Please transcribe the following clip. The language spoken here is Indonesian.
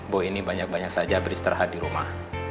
bu ini banyak banyak saja beristirahat di rumah